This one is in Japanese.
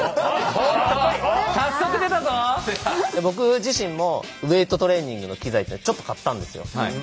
僕自身もウエイトトレーニングの機材ってちょっと買ったんですよ。